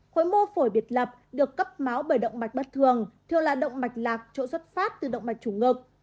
khối mô phổi biệt lập được cấp máu bởi động mạch bất thường thường là động mạch lạc chỗ xuất phát từ động mạch chủ ngực